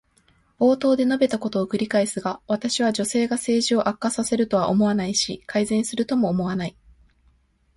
冒頭で述べたことを繰り返すが、私は女性が政治を悪化させるとは思わないし、改善するとも思わない。